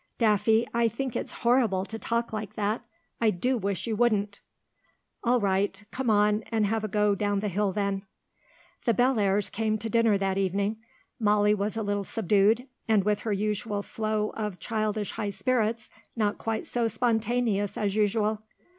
"Daffy, I think it's horrible to talk like that. I do wish you wouldn't." "All right. Come on and have a go down the hill, then." The Bellairs' came to dinner that evening. Molly was a little subdued, and with her usual flow of childish high spirits not quite so spontaneous as usual.